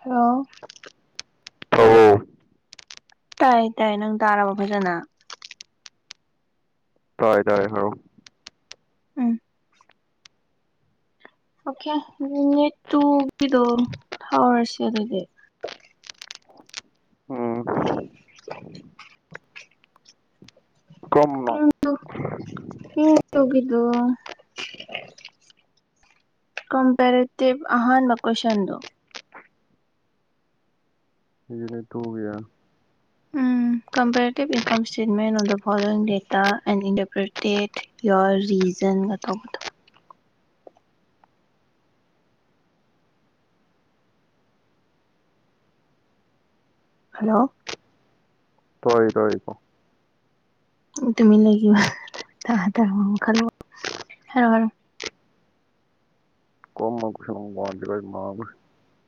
Hello [unintelligible] ꯇꯥꯏ ꯇꯥꯏ ꯅꯪ ꯇꯥꯔꯕ ꯐꯖꯅ ꯇꯥꯏ ꯇꯥꯏ ꯍꯥꯏꯔꯣ ꯑꯝ ꯑꯣꯀꯦ [unintelligible] ꯇꯨꯒꯤꯗꯣ ꯊꯥꯎꯔꯁꯤꯦ ꯑꯗꯨ ꯑꯗꯨꯗꯤ꯫ ꯎꯝ ꯀꯔꯝꯕꯅꯣ [unintelligible] ꯀꯝꯄꯦꯔꯦꯇꯤꯚ ꯑꯍꯥꯟꯕ ꯀꯣꯏꯁꯟꯗꯣ꯫ ꯌꯨꯅꯤꯠ ꯇꯨꯒꯤꯔ um comparative income statement of the following [unintelligible] and interpret your ꯔꯤꯖꯟꯒ꯫ ꯇꯧꯕꯗꯣ ꯍꯜꯂꯣ꯫ [unintelligible] ꯀꯣ ꯇꯨꯃꯤꯟ ꯂꯩꯌꯨ [unintelligible] ꯍꯥꯏꯔꯛꯑꯣ ꯍꯥꯏꯔꯛꯑꯣ [unintelligible]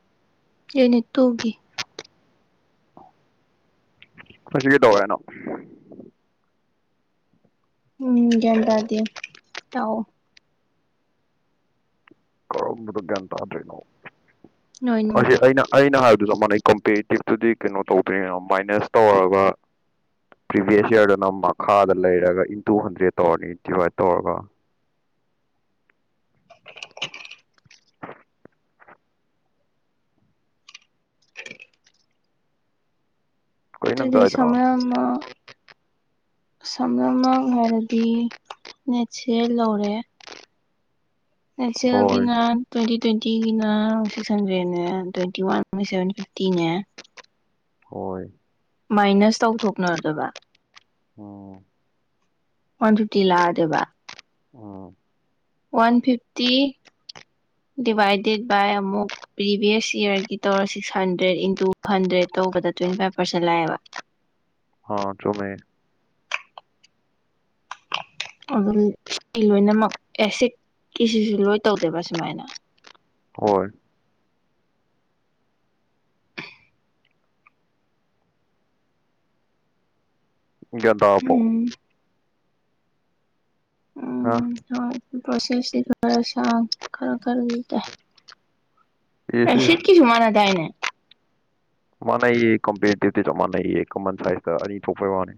ꯌꯨꯅꯤꯠ ꯇꯨꯒꯤ꯫ ꯃꯁꯤ ꯀꯩꯗꯧꯔꯦ ꯍꯥꯏꯅꯣ꯫ ꯎꯝ ꯒꯌ꯭ꯥꯟ ꯇꯥꯗꯦ ꯇꯥꯛ ꯑꯣ꯫ ꯀꯔꯝꯕꯅꯣ ꯒ꯭ꯌꯥꯟ ꯇꯥꯗ꯭ꯔꯦꯅꯣ ꯂꯣꯏꯅꯃꯛ [unintelligible] ꯑꯩꯅ ꯑꯩꯅ ꯍꯥꯏꯕꯗꯨ ꯆꯞ ꯃꯅꯩ ꯀꯝꯄꯦꯔꯤꯇꯤꯞꯇꯨꯗꯤ ꯀꯩꯅꯣ ꯇꯧꯗꯣꯏꯅ ꯃꯥꯏꯅꯁ ꯇꯧꯔꯒ ꯄ꯭ꯔꯤꯚꯤꯌꯁ ꯌꯔꯗꯅ ꯃꯈꯥꯗ ꯂꯩꯔꯒ ꯏꯟꯇꯨ ꯍꯟꯗ꯭ꯔꯦꯗ ꯇꯧꯔꯅꯤ ꯗꯤꯚꯥꯏꯠ ꯇꯧꯔꯒ꯫ ꯀꯩ ꯅꯪ ꯑꯗꯨꯗꯤ [unintelligible] ꯆꯥꯏꯗꯅꯣ [unintelligible] ꯁꯝꯅꯃꯛ ꯍꯥꯏꯔꯗꯤ ꯅꯦꯠꯁꯦ ꯂꯧꯔꯦ꯫ [unintelligible] ꯍꯣꯏ ꯒꯤꯅ ꯇꯨꯏꯟꯇꯤ ꯇ꯭ꯋꯦꯟꯇꯤꯒꯤꯅ ꯁꯤꯛꯁ ꯍꯟꯗ꯭ꯔꯦꯗꯅꯦ ꯇ꯭ꯋꯦꯟꯇꯤ ꯋꯥꯟ ꯁꯚꯦꯟ ꯐꯤꯐꯇꯤꯅꯦ꯫ ꯍꯣꯏ꯫ ꯃꯥꯏꯅꯁ ꯇꯧꯊꯣꯛꯅꯗꯣꯏꯕ꯫ ꯑꯣ ꯋꯥꯟ ꯐꯤꯐꯇꯤ ꯂꯛꯑꯗꯣꯏꯕ꯫ ꯑꯣ ꯋꯥꯟ ꯐꯤꯐꯇꯤ ꯗꯤꯚꯥꯏꯗꯦꯠ ꯕꯥꯏ ꯑꯃꯨꯛ ꯄ꯭ꯔꯤꯚꯤꯌꯁ ꯏꯌꯥꯔꯒꯤ ꯇꯧꯔ ꯁꯤꯛꯁ ꯍꯟꯗ꯭ꯔꯦꯠ ꯏꯟꯇꯨ ꯍꯟꯗ꯭ꯔꯦꯠ ꯇꯧꯕꯗ ꯇ꯭ꯋꯦꯟꯇꯤ ꯐꯥꯏꯚ ꯄꯥꯔꯁꯦꯟ ꯂꯥꯛꯑꯦꯕ꯫ ꯑꯥ ꯆꯨꯝꯃꯦ꯫ ꯑꯗꯨ ꯁꯤ ꯂꯣꯏꯅꯃꯛ ꯑꯦꯁꯤꯠꯀꯤꯁꯤꯁꯨ ꯂꯣꯏ ꯇꯧꯗꯣꯏꯕ ꯁꯨꯃꯥꯏꯅ꯫ ꯍꯣꯏ ꯒꯌ꯭ꯥꯟ ꯇꯔꯕꯣ꯫ ꯎꯝ ꯍꯥ ꯎꯝ ꯍꯣꯏ ꯄꯔꯣꯁꯦꯁ ꯈꯔ ꯁꯥꯡ ꯈꯔ ꯈꯔꯗꯤ ꯇꯥꯏ꯫ ꯏꯁ ꯏꯁ ꯑꯁꯤꯠꯀꯤꯁꯨ ꯃꯥꯟꯅ ꯗꯥꯏꯅꯦ꯫ ꯃꯥꯥꯟꯅꯩꯌꯦ ꯀꯝꯄꯇꯤꯞꯇꯁꯨ ꯆꯞ ꯃꯥꯟꯅꯩꯌꯦ ꯀꯃꯟ ꯁꯥꯏꯖꯇ ꯑꯅꯤ ꯊꯣꯛꯄꯩ ꯋꯥꯅꯦ꯫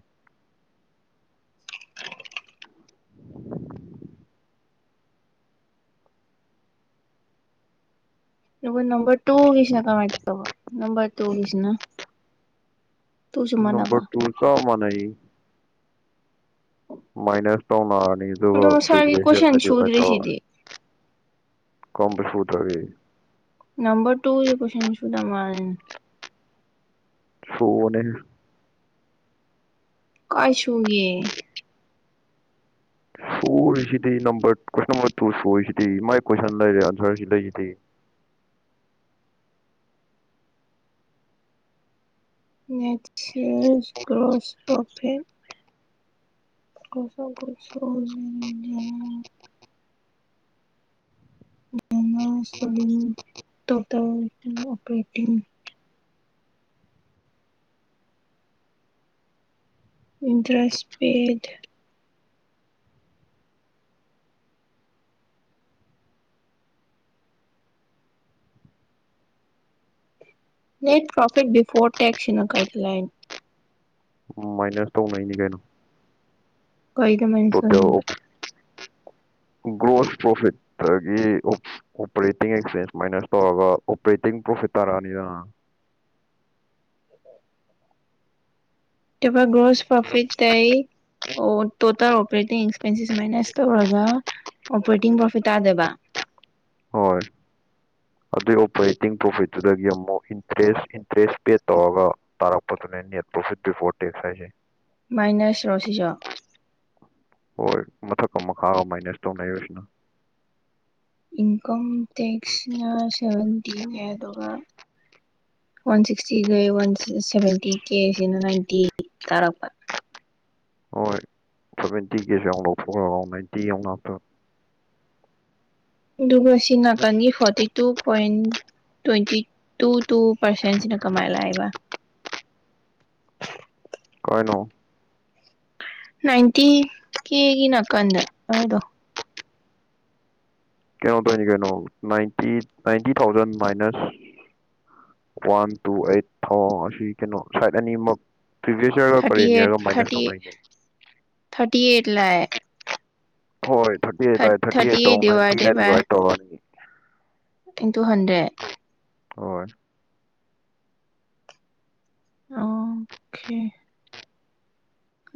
[unintelligible] ꯅꯝꯕꯔ ꯇꯨꯒꯤꯁꯤꯅ ꯀꯃꯥꯥꯏ ꯇꯧꯕ꯫ ꯅꯝꯕꯔ ꯇꯨꯒꯤꯁꯤꯅ꯫ ꯇꯨꯁꯨ ꯃꯥꯟꯅꯕ ꯅꯝꯕꯔ ꯇꯨ ꯆꯞ ꯃꯥꯅꯩꯌꯦ꯫ ꯃꯥꯏꯅꯁ ꯇꯧꯅ ꯑꯗꯣ ꯁꯥꯔꯒꯤ [unintelligible] ꯀꯣꯏꯁꯟ ꯍꯥꯏꯗꯤ ꯁꯨꯗ꯭ꯔꯤꯁꯤꯗꯤ [unintelligible] ꯀꯔꯝꯕ ꯁꯨꯗ꯭ꯔꯒꯦ꯫ ꯅꯝꯕꯔ ꯇꯨꯁꯦ ꯀꯣꯏꯁꯟ ꯁꯨꯗꯥ ꯃꯥꯜꯂꯦꯅꯦ꯫ ꯁꯨꯕꯅꯦ꯫ ꯀꯥꯏꯁꯨꯨ ꯒꯦ꯫ ꯁꯣꯔꯤꯁꯤꯗꯤ ꯅꯝꯕꯔ ꯀꯣꯏꯁꯟ ꯅꯝꯕꯔ ꯇꯨ ꯁꯔꯤꯁꯤꯗꯤ ꯃꯥꯏ ꯀꯣꯏꯁꯟ ꯂꯩꯔꯦ ꯑꯟꯁꯔꯁꯤ ꯂꯩꯁꯤꯗꯤ [unintelligible] ꯒ꯭ꯔꯣꯁ ꯄ꯭ꯔꯣꯐꯤꯠ [unintelligible] ꯅꯥ ꯁꯂꯤꯟ [unintelligible] operating [unintelligible] ꯏꯟꯇ꯭ꯔꯁ paid net profit before tax ꯁꯤꯅ ꯀꯥꯏꯗꯩꯩ ꯂꯥꯛꯏꯅꯣ ꯃꯥꯏꯅꯔ ꯇꯧꯅꯩꯅꯤ ꯀꯩꯅꯣ ꯀꯩꯗ ꯃꯌꯨꯝ ꯇꯣꯇꯦꯜ ꯆꯠꯂꯤꯕ ꯒ꯭ꯔꯣꯁ ꯄ꯭ꯔꯣꯐꯤꯠꯇꯒꯤ ꯑꯣꯄꯔꯦꯇꯤꯡ ꯑꯦꯛꯆꯦꯟꯁ ꯃꯥꯏꯅꯁ ꯇꯧꯔꯒ ꯑꯣꯄꯔꯦꯇꯤꯡ ꯄ꯭ꯔꯣꯐꯤꯠ ꯇꯥꯔꯛꯑꯅꯤꯗ [unintelligible] ꯒ꯭ꯔꯣꯁ ꯄ꯭ꯔꯣꯐꯤꯠꯇꯩ ꯇꯣꯇꯜ ꯑꯣꯄꯔꯦꯇꯤꯡ ꯑꯦꯛꯁꯄꯦꯟꯁꯤꯁ ꯃꯥꯏꯅꯁ ꯇꯧꯔꯒ ꯑꯣꯄꯔꯦꯇꯤꯡ ꯄ꯭ꯔꯣꯐꯤꯠ ꯇꯥꯗꯣꯏꯕ ꯍꯣꯏ ꯑꯗꯨꯏ ꯑꯣꯄꯔꯦꯇꯤꯡ ꯄ꯭ꯔꯣꯐꯤꯠꯇꯨꯗꯒꯤ ꯑꯃꯨꯛ ꯏꯟꯇꯔꯦꯁ ꯏꯟꯇꯔꯦꯁ ꯄꯦ ꯇꯧꯔꯒ ꯇꯥꯔꯛꯄꯗꯨꯅꯦ ꯅꯦꯠ ꯄ꯭ꯔꯣꯐꯤꯠ ꯕꯤꯐꯣꯔ ꯇꯦꯛꯁ ꯍꯥꯏꯁꯦ ꯃꯥꯏꯅꯁ ꯔꯣꯁꯤꯖꯨ ꯍꯣꯏ ꯃꯊꯛꯀ ꯃꯈꯥꯒ ꯃꯥꯏꯅꯁ ꯇꯧꯅꯩꯅꯩꯕ ꯁꯤꯅ ꯏꯟꯀꯝ ꯇꯦꯛꯁꯅ [unintelligible] ꯑꯗꯨꯒ ꯋꯥꯟ ꯁꯤꯛꯁꯇꯤꯒꯩ ꯋꯥꯟ ꯁꯚꯦꯟꯇꯤ ꯀꯦ ꯑꯁꯤꯅ ꯅꯥꯏꯟꯇꯤ ꯇꯥꯔꯛꯄ ꯍꯣꯏ ꯁꯚꯦꯟꯇꯤ ꯀꯦꯁꯤꯎ ꯂꯧꯊꯣꯛꯈ꯭ꯔꯒ ꯅꯥꯏꯟꯇꯤ ꯑꯍꯨꯛ ꯂꯥꯛꯇꯣꯏꯕ꯫ ꯑꯗꯨꯒ ꯁꯤ ꯅꯥꯀꯟꯒꯤ forty two point twenty two two ꯄꯔꯁꯦꯟꯁꯤꯅ ꯀꯃꯥꯏꯂꯛ ꯏꯕ ꯀꯥꯏꯅꯣ ꯅꯥꯏꯟꯇꯤ ꯀꯦꯒꯤ ꯅꯥꯀꯟꯗ ꯑꯗꯨꯗꯣ ꯀꯩꯅꯣ ꯇꯧꯅꯤ ꯀꯩꯅꯣ ninety ninety thousand minus one two eight ꯊꯥꯎ ꯑꯁꯤ ꯀꯩꯅꯣ ꯁꯥꯏꯠ ꯑꯅꯤꯃꯛ ꯄ꯭ꯔꯤꯚꯤꯌꯁ ꯌꯔꯒ ꯊꯔꯇꯤ ꯀꯔꯦꯟ ꯑꯦꯠ ꯌꯔꯒ ꯃꯥꯏꯅꯁ ꯊꯔꯇꯤ ꯇꯧꯅꯩꯅꯦ ꯊꯔꯇꯤ ꯑꯦꯠ ꯂꯥꯛꯑꯦ꯫ ꯍꯣꯏ ꯊꯔꯇꯤ ꯑꯩꯠꯥꯏ ꯊꯔꯇꯤ ꯊꯥꯔꯇꯤ ꯑꯩꯠ ꯑꯩꯠꯇꯧꯛ ꯗꯤꯚꯥꯏꯗꯦꯠ ꯅꯥꯏꯟꯤ ꯕꯥꯏ ꯗꯤꯚꯥꯏꯠ ꯇꯧꯔꯅꯤ ꯏꯟꯇꯨ ꯍꯟꯗ꯭ꯔꯦꯠ ꯍꯣꯏ ꯑꯣ ꯑꯣꯀꯦ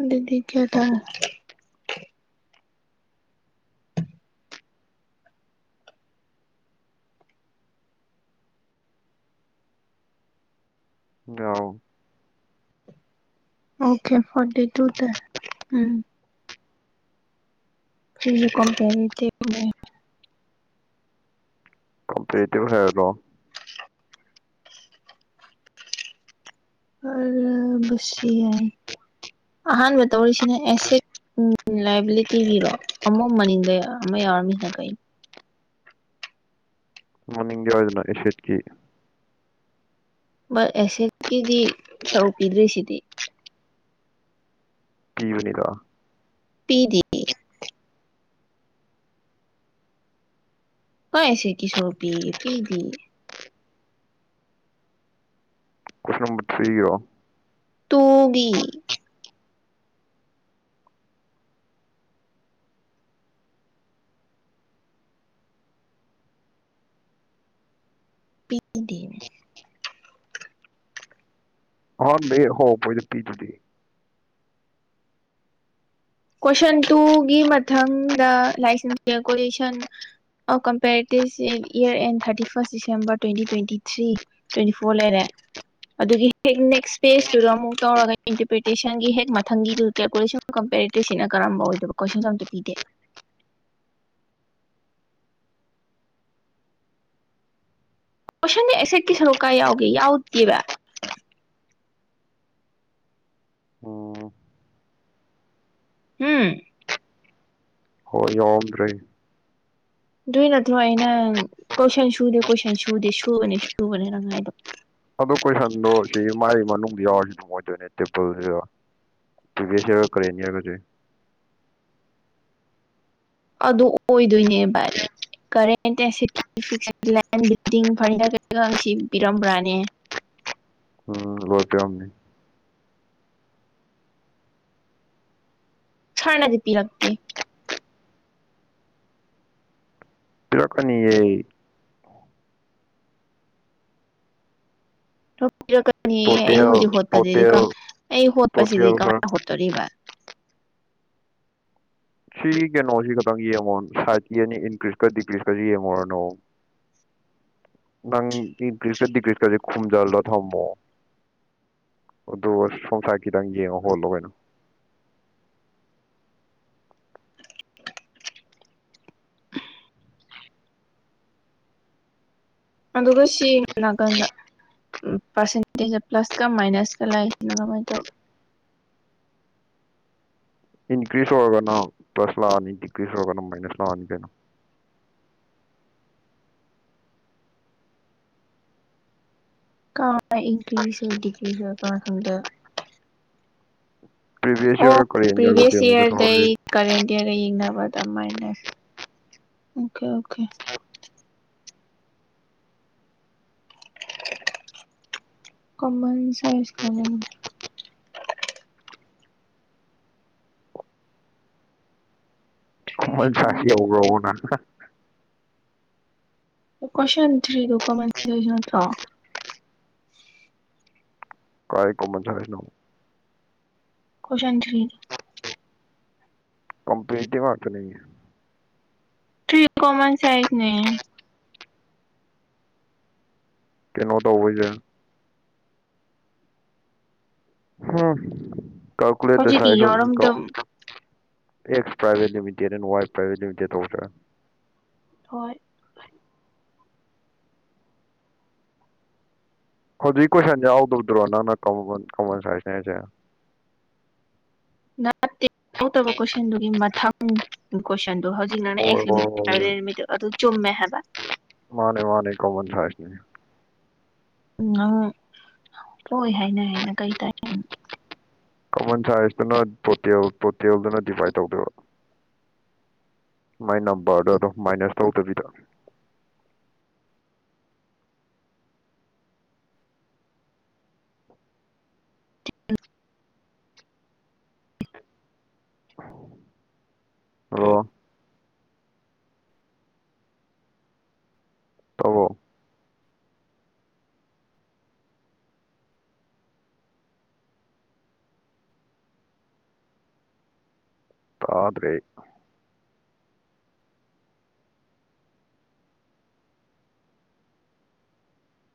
ꯑꯗꯨꯗꯤ ꯀꯌꯥꯇꯔꯦ [unintelligible] ꯑꯣꯀꯦ ꯐꯇꯤ ꯇꯨ ꯇ ꯎꯝ ꯁꯤ [unintelligible] ꯅꯦ ꯑꯟꯏꯟꯇꯦꯜꯂꯤꯖꯦꯕꯜ ꯍꯥꯏꯔꯗ꯭ꯔꯣ ꯌꯥꯏ [unintelligible] ꯑꯍꯥꯟꯕ ꯇꯧꯔꯤꯁꯤꯅ ꯑꯦꯁꯦꯠ ꯂꯥꯏꯕꯤꯂꯤꯇꯤꯒꯤꯔꯣ ꯑꯃꯨ ꯃꯅꯤꯡꯗ ꯑꯃ ꯌꯥꯎꯔꯝꯃꯤꯁꯤꯅ ꯀꯩꯅꯣ ꯃꯅꯤꯡꯡꯗꯋꯥꯖꯅ ꯑꯦꯁꯦꯠꯀꯤ ꯑꯦꯁꯠꯀꯤꯗꯤ ꯁꯔꯨꯛ ꯄꯤꯗ꯭ꯔꯤꯁꯤꯗꯤ ꯄꯤꯕꯅꯤꯗ ꯄꯤꯗꯤ [unintelligible] ꯀꯩ ꯑꯁꯤꯠ ꯀꯤꯁꯥꯔꯨꯛ ꯄꯤ ꯄꯤꯗꯤꯌꯦ ꯀ꯭ꯋꯁ ꯅꯝꯕꯔ ꯊ꯭ꯔꯤꯒꯤꯔꯣ ꯇꯣꯕꯤ ꯄꯤꯗꯦ ꯑꯍꯟꯕꯩ ꯍꯧꯔꯛꯄꯩꯗ ꯄꯤꯔꯤꯗꯨꯗꯤ ꯀꯣꯏꯁꯟ ꯇꯨꯒꯤ ꯃꯊꯪꯗ ꯂꯥꯛꯏꯁ calculation of comparative year and thirty first December twenty twenty three twenty four ꯂꯩꯔꯦ ꯑꯗꯨꯒꯤ ꯍꯦꯛ ꯅꯦꯛꯁ ꯐꯦꯁꯇꯨꯗ ꯑꯃꯨꯛ ꯇꯧꯔꯒ ꯏꯟꯇꯔꯄ꯭ꯔꯤꯇꯦꯁꯟꯒꯤ ꯍꯦꯛ ꯃꯊꯪꯒꯤ ꯗꯨ ꯗꯦꯐꯣꯔꯇꯤꯑꯣꯟ ꯑꯣꯗ ꯀꯝꯄꯔꯦ ꯇꯦꯛꯁꯤꯅ ꯀꯔꯝꯕ ꯑꯣꯏꯗꯕ ꯀꯣꯏꯁꯟꯁ ꯑꯝꯇ ꯄꯤꯗꯦ ꯀꯁꯟ ꯑꯦꯁꯦ ꯀꯤ ꯀꯁꯔꯨ ꯀꯥꯏ ꯌꯥꯎꯒꯦ ꯌꯥꯎꯇꯦꯕ ꯑꯣ ꯎꯝ ꯍꯣꯏ ꯌꯎꯝꯗ꯭ꯔꯦ ꯑꯗꯨꯏ ꯅꯠꯇ꯭ꯔꯣ ꯑꯩꯅ ꯀꯣꯏꯁꯟ ꯁꯨꯗꯦ ꯀꯣꯏꯁꯟ ꯁꯨꯗꯦ ꯁꯨꯕꯅꯦ ꯁꯨꯕꯅꯦ ꯅꯡ ꯍꯥꯏꯗꯣ ꯑꯗꯣ ꯀꯣꯏꯁꯟꯗꯣ ꯁꯤ ꯃꯒꯤ ꯃꯅꯨꯡꯗ ꯌꯥꯎꯔꯗꯤ ꯐꯪꯉꯣꯏꯗꯣꯏꯅꯦ ꯇꯦꯝꯄꯜꯁꯤꯗ ꯄꯔꯕꯦꯖ ꯌꯔ ꯀꯔꯦꯟ ꯌꯔꯒꯁꯤ ꯑꯗꯨ ꯑꯣꯏꯗꯣꯏꯅꯦꯕ ꯀꯔꯦꯟ ꯑꯦ ꯐ ꯕꯤꯜꯗꯤꯡ ꯐꯔꯅꯤ ꯀꯩꯀꯥ ꯁꯤ ꯄꯤꯔꯝꯕ꯭ꯔꯥꯅꯦ ꯎꯝ ꯂꯣꯏ ꯄꯤꯔ꯭ꯃꯤ ꯁꯥꯔ ꯅꯗꯤ ꯄꯤꯔꯛꯇꯦ ꯇꯔꯀꯅꯤꯌꯦ ꯄꯤꯔꯛꯀꯅꯤ ꯑꯩ ꯇꯣꯇꯦꯜ ꯍꯧꯖꯤꯛ ꯍꯣꯠꯄꯁꯤꯗꯤ ꯇꯣꯇꯦꯜ ꯑꯩ ꯇꯣꯇꯦꯜ ꯍꯣꯠꯄꯁꯤꯗꯤ ꯈꯔ ꯀꯃꯥꯏꯅ ꯍꯣꯠꯇꯣꯔꯤꯕ ꯁꯤ ꯀꯩꯅꯣꯁꯤ ꯈꯛꯇꯪ ꯌꯦꯡꯉꯣ ꯁꯥꯏꯠꯀꯤ ꯑꯅꯤ ꯏꯟꯀ꯭ꯔꯤꯁꯀ ꯗꯤꯀ꯭ꯔꯤꯁꯀꯁꯤ ꯌꯦꯡꯉꯨꯔꯅꯨ ꯅꯪ ꯏꯟꯀ꯭ꯔꯤꯁꯀ ꯗꯤꯀ꯭ꯔꯤꯁꯀꯁꯤ ꯈꯨꯝꯖꯤꯜꯂꯣ ꯊꯝꯃꯣ ꯑꯗꯨꯒ ꯁꯝꯁꯥꯏꯠ ꯈꯤꯇꯪ ꯌꯦꯡꯉꯣ ꯍꯣꯠꯂꯣ ꯀꯩꯅꯣ [inaudible] ꯑꯗꯨꯒ ꯁꯤ ꯅꯥꯀꯟꯗ ꯄꯥꯔꯁꯦꯟꯇꯦꯖꯇ ꯄ꯭ꯂꯁꯀ ꯃꯥꯏꯅꯁꯀ ꯂꯩꯥꯛꯁꯤꯅ ꯀꯃꯥꯏꯅ ꯇꯧ ꯏꯟꯀ꯭ꯔꯤꯖ ꯑꯣꯏꯔꯒꯅ ꯄ꯭ꯂꯁ ꯂꯥꯛꯑꯅꯤ ꯗꯤꯀ꯭ꯔꯤꯖ ꯑꯣꯏꯔꯒꯅ ꯃꯥꯏꯅꯁ ꯂꯥꯛꯅꯤ ꯀꯩꯅꯣ ꯀꯥ ꯏꯟꯀ꯭ꯔꯤꯖ ꯍ ꯗꯤꯀ꯭ꯔꯤꯒ [unintelligible] ꯄ꯭ꯔꯤꯚꯤꯌꯁ ꯑꯣ ꯏꯌꯥꯔ ꯀꯣꯔꯤꯌꯟ ꯌꯥꯎꯕꯗꯤ ꯑꯃꯨꯛꯀ ꯄ꯭ꯔꯤꯕꯦꯁꯌꯔ ꯗꯩ ꯊꯣꯛꯍꯜꯂꯤ ꯀꯔꯦꯟ ꯗꯤꯌꯥꯔ ꯌꯦꯡꯅꯕ ꯃꯥꯏꯅꯔ ꯑꯣꯀꯦ ꯑꯣꯀꯦ ꯀꯃꯜꯁ ꯁꯨꯑꯥꯏ ꯀꯥꯃꯟ [unintelligible] ꯌꯧꯒꯔꯕꯣ ꯀꯣꯏꯁꯦꯟ ꯊ꯭ꯔꯤ ꯗꯣ ꯀꯃꯥꯏꯇꯩꯖꯅꯣ ꯀꯥꯏ ꯀꯨꯝꯃ [unintelligible] ꯀꯣꯏꯁꯟ ꯊꯔꯤ ꯀꯝꯄ꯭ꯂꯤꯇꯤ ꯉꯇꯅꯦ ꯊꯔꯤ ꯀꯣꯃꯟ ꯁꯥꯏꯖꯅꯦ ꯀꯩꯅꯣ ꯇꯎꯕꯩꯖ ꯍꯥꯝ ꯀꯥꯎ ꯀꯨꯂꯦꯇꯔ ꯁꯥ ꯍꯧꯖꯤꯛꯀꯤ ꯌꯥꯎꯔꯝꯗꯝ [unintelligible] ꯑꯦꯁ ꯄꯔ꯭ꯥꯏꯕꯦꯠ ꯂꯤꯃꯤꯇꯦꯠ ꯑꯟ ꯋꯥꯏ ꯄꯔ꯭ꯥꯏꯕꯦꯠ ꯂꯤꯃꯤꯇꯦꯠ ꯇꯧꯗꯅ ꯍꯣꯏ ꯍꯧꯖꯤꯛ ꯀꯣꯏꯁꯜ ꯌꯥꯎꯗꯕꯗꯨꯔꯣ ꯅꯪꯅ ꯀꯃꯜ ꯁꯥꯏꯅꯁꯅꯦ ꯍꯥꯏꯖꯦ ꯇ ꯇꯕ ꯀꯣꯏꯁꯟꯗꯨꯒꯤ ꯃꯊꯪ ꯀꯣꯏ [unintelligible] ꯍꯣꯏ ꯍꯣꯏ ꯍꯣꯏ [unintelligible] [unintelligible] [unintelligible] ꯆꯨꯝꯃꯦ ꯍꯕ ꯃꯥꯅꯦ ꯃꯥꯅꯦ ꯀꯣꯃꯟ ꯁꯥꯏꯅꯁ ꯅꯦ ꯎꯝ ꯑꯪ ꯍꯣꯏ ꯍꯥꯏꯅ ꯍꯥꯏꯅ ꯀꯩ ꯇꯥꯏ ꯀꯃꯟ ꯁꯥꯏꯖꯇꯨꯅ ꯇꯣꯇꯦꯜ ꯇꯣꯇꯦꯜꯗꯨꯅ ꯗꯤꯚꯥꯏꯠ ꯇꯧꯗꯣꯏꯕ ꯃꯥꯏ ꯅꯝꯕꯔꯗ ꯑꯗꯨꯝ ꯃꯥꯏꯅꯁ ꯇꯧꯗꯕꯤꯗ ꯍꯂꯣ ꯇꯧꯔꯣ ꯇꯥꯗ꯭ꯔꯦ